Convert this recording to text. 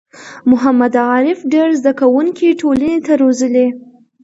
محمد عارف ډېر زده کوونکی ټولنې ته روزلي